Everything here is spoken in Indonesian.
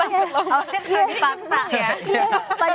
awalnya pernah dipaksa ya